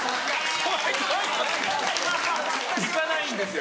行かないんですよ。